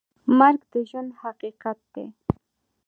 مرګ د ژوند حقیقت دی